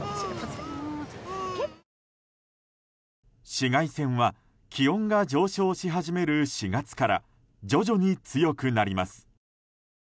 紫外線は気温が上昇し始める４月から徐々に強くなります。